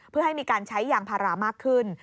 เพื่อให้มีการใช้ยางพารามากขึ้น